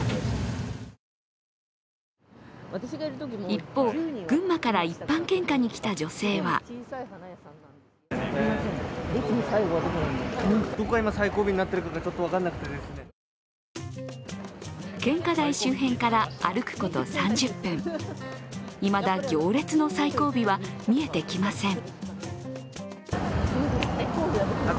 一方、群馬から一般献花に来た女性は献花台周辺から歩くこと３０分、いまだ、行列の最後尾は見えてきません。